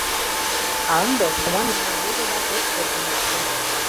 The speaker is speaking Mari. А ынде коман мелнам луго да пӧрт кӧргым эрыкте!